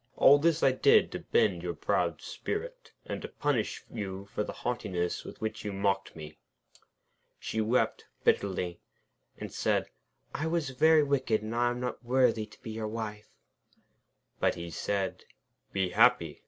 All this I did to bend your proud spirit, and to punish you for the haughtiness with which you mocked me.' She wept bitterly, and said: 'I was very wicked, and I am not worthy to be your wife.' But he said: 'Be happy!